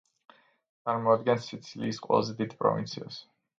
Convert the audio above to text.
წარმოადგენს სიცილიის ყველაზე დიდ პროვინციას.